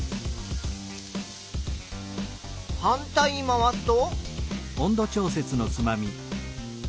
反対に回すと。